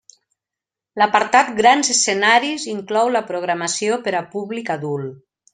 L'apartat Grans Escenaris inclou la programació per a públic adult.